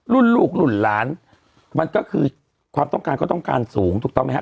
ลูกรุ่นหลานมันก็คือความต้องการก็ต้องการสูงถูกต้องไหมครับ